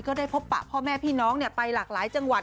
ได้พบปะพ่อแม่พี่น้องไปหลากหลายจังหวัด